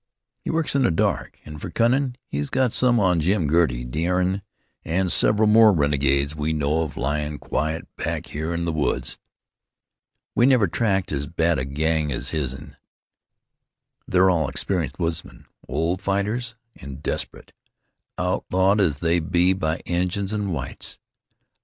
He works in the dark, an' for cunnin' he's got some on Jim Girty, Deerin', an' several more renegades we know of lyin' quiet back here in the woods. We never tackled as bad a gang as his'n; they're all experienced woodsmen, old fighters, an' desperate, outlawed as they be by Injuns an' whites.